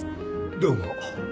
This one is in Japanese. どうも。